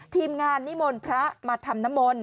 ทีมงานนิมนต์พระมาทำน้ำมนต์